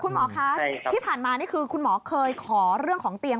หมอคะที่ผ่านมานี่คือคุณหมอเคยขอเรื่องของเตียง